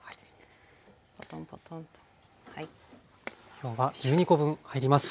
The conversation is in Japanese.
今日は１２コ分入ります。